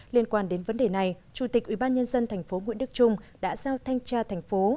liên quan đến vấn đề này chủ tịch ubnd tp nguyễn đức trung đã giao thanh tra thành phố